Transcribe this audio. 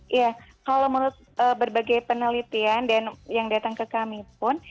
iya kalau menurut berbagai penelitian dan yang datang ke kami pun